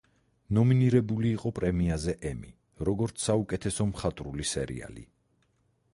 ნომინირებული იყო პრემიაზე ემი როგორც „საუკეთესო მხატვრული სერიალი“.